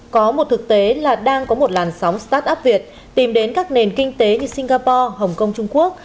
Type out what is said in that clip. có một thực tế là đang có một làn sóng start up việt tìm đến các nền kinh tế như singapore hồng kông trung quốc